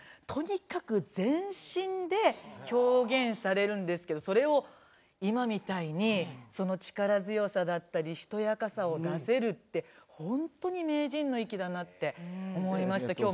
とにかく、全身で表現されるんですけどそれを今みたいに力強さだったりしとやかさを出せるって本当に名人の粋だなと思いました。